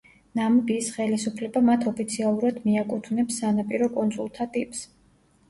ნამიბიის ხელისუფლება მათ ოფიციალურად მიაკუთვნებს სანაპირო კუნძულთა ტიპს.